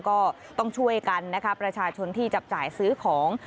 ก็ต้องช่วยกันนะคะประชาชนที่จับจ่ายซื้อของ